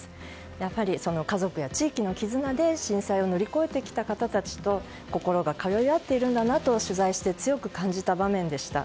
やっぱり、家族や地域の絆で震災を乗り越えてきた方たちと心が通い合っているんだなと取材して強く感じた場面でした。